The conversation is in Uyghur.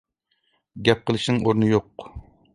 گەپ قىلىشنىڭ ئورنى يوق.